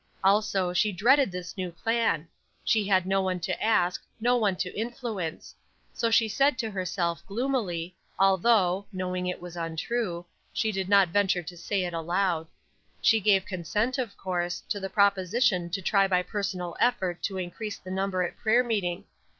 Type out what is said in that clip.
Also, she dreaded this new plan. She had no one to ask, no one to influence. So she said to herself, gloomily, although (knowing that it was untrue) she did not venture to say it aloud. She gave consent, of course, to the proposition to try by personal effort to increase the number at prayer meeting.